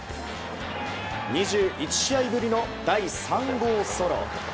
２１試合ぶりの第３号ソロ。